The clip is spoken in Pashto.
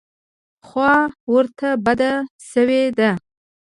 خوا ورته بده شوې ده.